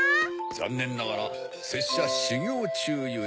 ざんねんながらせっしゃしゅぎょうちゅうゆえ。